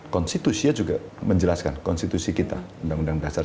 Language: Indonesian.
konstitusia juga menjelaskan konstitusi kita undang undang dasar seribu sembilan ratus empat puluh lima